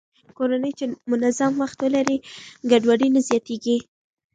کورنۍ چې منظم وخت ولري، ګډوډي نه زياتېږي.